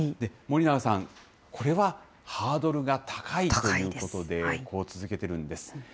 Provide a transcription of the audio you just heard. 森永さん、これはハードルが高いということで、こう続けているんです。